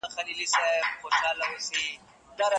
د اقليتونو حقوق بايد مراعات سي.